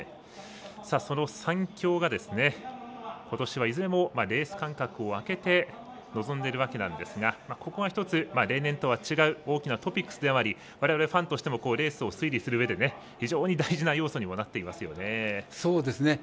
その３強が、ことしはいずれもレース間隔を空けて臨んでいるわけなんですがここが一つ、例年とは違う大きなトピックスでありわれわれ、ファンとしてもレースを整理するうえで非常に大事な要素になっていますよね。